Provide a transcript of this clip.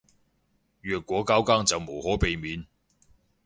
若果交更就無可避免